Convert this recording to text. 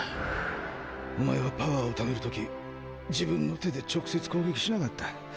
お前はパワーをためる時自分の手で直接攻撃しなかった。